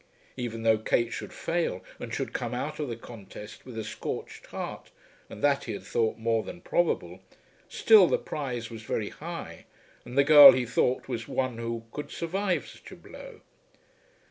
Even though Kate should fail and should come out of the contest with a scorched heart, and that he had thought more than probable, still the prize was very high and the girl he thought was one who could survive such a blow.